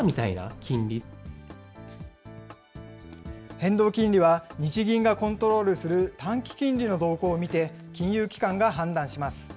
変動金利は、日銀がコントロールする短期金利の動向を見て、金融機関が判断します。